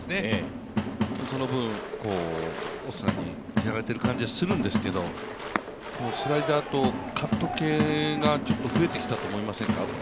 その分、オスナにやられている感じはするんですけれども、スライダーとカット系がちょっと増えてきたと思いませんか。